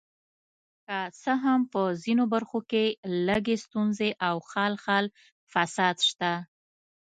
که څه هم په ځینو برخو کې لږې ستونزې او خال خال فساد شته.